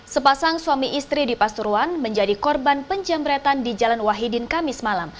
sepasang suami istri di pasuruan menjadi korban penjamretan di jalan wahidin kamis malam